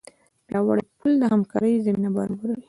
پیاوړی پل د همکارۍ زمینه برابروي.